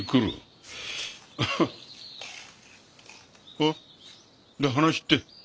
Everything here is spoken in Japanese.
おっで話って？